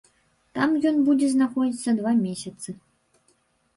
Там ён будзе знаходзіцца два месяцы.